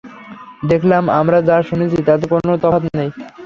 দেখলাম, আমরা যা শুনেছি তাতে কোন তফাৎ নেই।